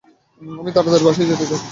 আমি তাড়াতাড়ি বাসায় যেতে চাই।